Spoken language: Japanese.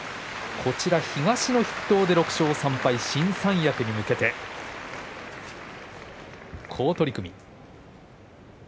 東の筆頭で６勝３敗新三役に向けて好取組。